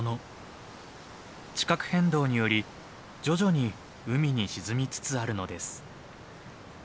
地殻変動により徐々に海に沈みつつあるのです。